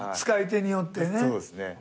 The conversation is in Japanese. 使い手によってね。